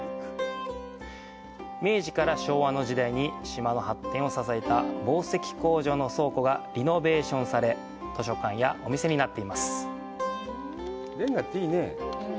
明治から昭和の時代に島の発展を支えた紡績工場の倉庫がリノベーションされ、図書館やお店になっています。